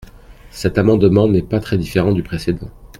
Cet amendement n’est pas très différent du précédent.